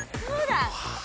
そうだ！